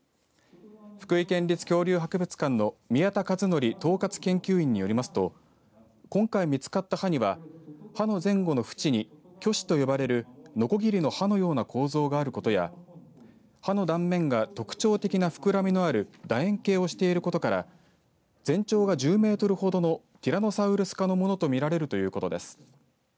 福井県立恐竜博物館の宮田和周統括研究員によりますと今回、見つかった歯には歯の前後の縁に鋸歯と呼ばれるのこぎりの歯のような構造があることや歯の断面が特徴的な膨らみのあるだ円形をしていることから全長が１０メートルほどのティラノサウルス科のものと見られるということです。